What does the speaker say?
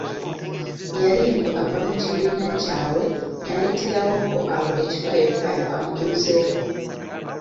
Yali mbu ava mu kibiina kyabwe, n'ayitirawooko awo ekipayoppayo amubuuzeeko.